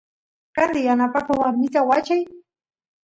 candi yanapakoq karawarmista wachay